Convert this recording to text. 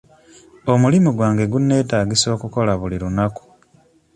Omulimu gwange guneetagisa okukola buli lunaku.